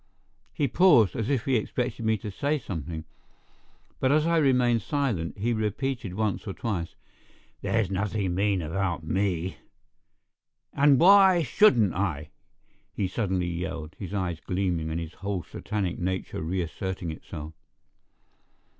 He paused as if he expected me to say something; but as I remained silent, he repeated once or twice, "There's nothing mean about me." "And why shouldn't I?" he suddenly yelled, his eyes gleaming and his whole satanic nature reasserting itself.